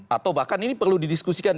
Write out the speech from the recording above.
atau bahkan ini perlu didiskusikan